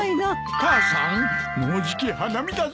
母さんもうじき花見だぞ！